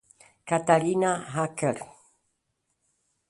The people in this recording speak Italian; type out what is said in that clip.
Katharina Hacker